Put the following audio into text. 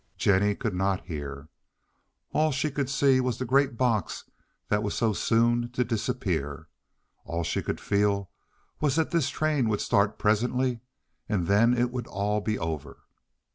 Jennie could not hear. All she could see was the great box that was so soon to disappear. All she could feel was that this train would start presently, and then it would all be over.